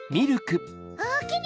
おおきに！